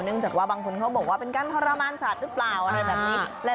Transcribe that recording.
จากว่าบางคนเขาบอกว่าเป็นการทรมานสัตว์หรือเปล่าอะไรแบบนี้